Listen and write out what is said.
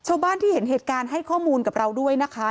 ชาวบ้านที่เห็นเหตุการณ์ให้ข้อมูลกับเราด้วยนะคะ